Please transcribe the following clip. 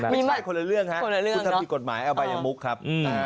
ไม่ใช่คนละเรื่องคุณทำมีกฎหมายเอาใบอย่างมุกครับ